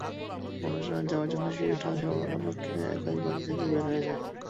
অনুষ্ঠানে যাওয়ার জন্য শিশুটি সবার অলক্ষ্যে একাই বাড়ি থেকে বের হয়ে যায়।